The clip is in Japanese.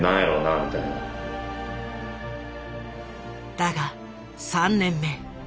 だが３年目。